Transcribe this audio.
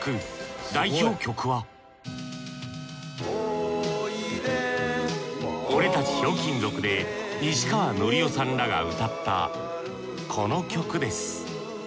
代表曲は『オレたちひょうきん族』で西川のりおさんらが歌ったこの曲です